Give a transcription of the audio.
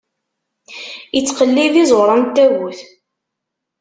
Ittqellib iẓuṛan n tagut.